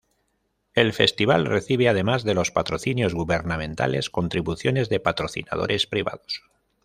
El festival recibe, además de los patrocinios gubernamentales, contribuciones de patrocinadores privados.